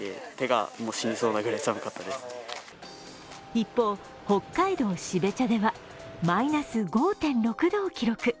一方、北海道標茶ではマイナス５．６度を記録。